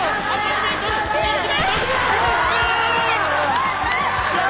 やった！